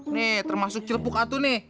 nih termasuk cilpuk atu nih